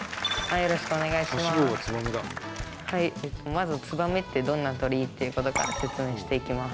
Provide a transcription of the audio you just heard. まず「ツバメってどんな鳥？」っていうことから説明していきます。